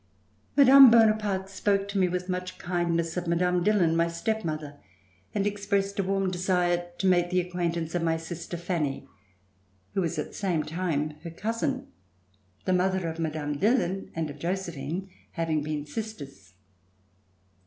Mme. Bonaparte spoke to me with much kindness of Mme. Dillon, my step mother, and expressed a warm desire to make the acquaintance of my sister Fanny, who was at the same time her cousin (the mother of Mme. Dillon and of Josephine having been sisters).